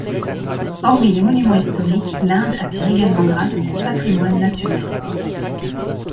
Hormis les monuments historiques, l'Inde attire également grâce à son patrimoine naturel.